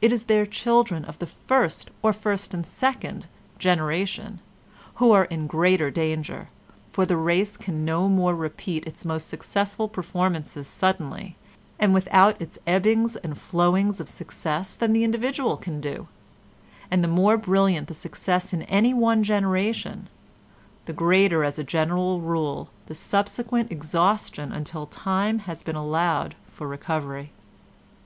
It is their children of the first, or first and second, generation who are in greater danger, for the race can no more repeat its most successful performances suddenly and without its ebbings and flowings of success than the individual can do so, and the more brilliant the success in any one generation, the greater as a general rule the subsequent exhaustion until time has been allowed for recovery.